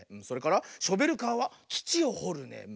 それからショベルカーはつちをほるね。